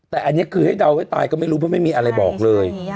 แต่อันนี้คือให้เดาให้ตายก็ไม่รู้เพราะไม่มีอะไรบอกเลย